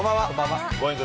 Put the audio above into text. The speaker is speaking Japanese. Ｇｏｉｎｇ！